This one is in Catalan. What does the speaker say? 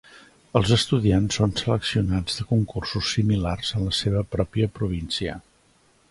Els estudiants són seleccionats de concursos similars en la seva pròpia província.